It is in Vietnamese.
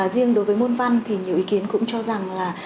riêng đối với môn văn thì nhiều ý kiến cũng cho rằng là